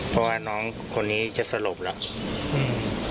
เพราะว่าน้องคนนี้จะสลบแล้ว